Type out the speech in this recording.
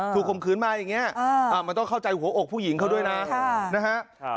ข่มขืนมาอย่างนี้มันต้องเข้าใจหัวอกผู้หญิงเขาด้วยนะนะฮะ